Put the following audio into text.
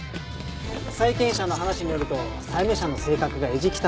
債権者の話によると債務者の性格が意地汚い。